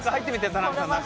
田辺さん中。